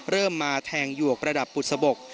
เริ่มมาแทงหยวกประดับปุศบก